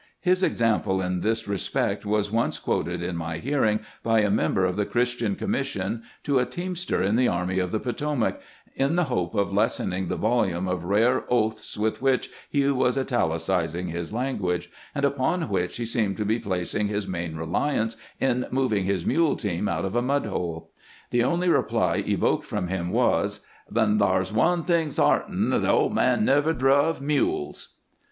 His example in this respect was once quoted in my hearing by a member of the Christian Commission to a teamster in the Army of the Potomac, in the hope of lessening the volume of rare oaths with which he was italicizing his language, and upon which he seemed to be placing his main reliance in moving his mule team out of a mud hole. The only reply evoked from him was :" Then thar 's one thing sart'in : the old man never druv mules."